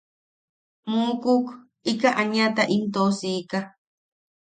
Muukuk, ika aniata im tosika.